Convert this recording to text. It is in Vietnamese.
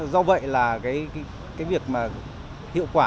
do vậy là cái việc mà